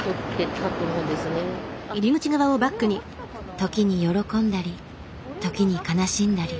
時に喜んだり時に悲しんだり。